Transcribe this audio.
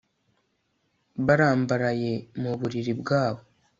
Barambaraye mu buriri bwabo